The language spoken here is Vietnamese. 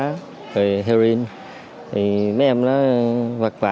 rồi heroin thì mấy em nó vật vả